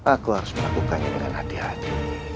aku harus melakukannya dengan hati hati